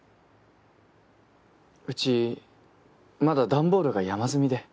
うちまだ段ボールが山積みで。